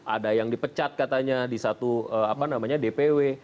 ada yang dipecat katanya di satu dpw